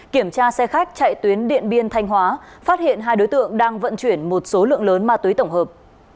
kiểm tra xe khách chạy tuyến điện biên thanh hóa phát hiện hai đối tượng đang vận chuyển một số lượng lớn ma túy tổng hợp